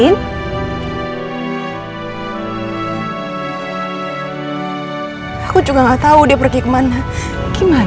saya gak tau pak